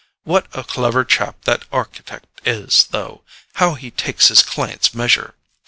What a clever chap that architect is, though—how he takes his client's measure!